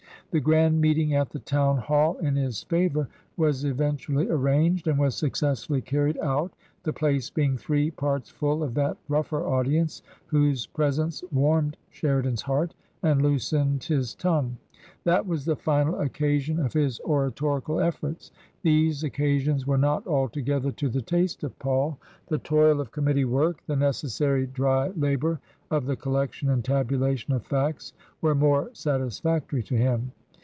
The grand meeting at the Town Hall in his favour was eventually arranged, and was successfully carried out, the place being three parts full of that rougher audience whose presence warmed Sheridan's heart and loosened his tongue. That was the final occasion of his oratorical efforts. These occasions were not altogether TRANSITION. 223 to the taste of Paul. The toil of committee work, the necessary dry labour of the collection and tabulation of facts, were more satisfactory to him.